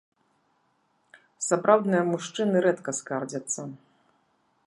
Сапраўдныя мужчыны рэдка скардзяцца.